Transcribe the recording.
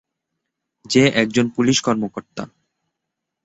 যে একজন পুলিশ কর্মকর্তা।